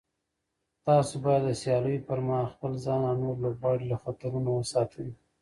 تاسو باید د سیالیو پر مهال خپل ځان او نور لوبغاړي له خطرونو وساتئ.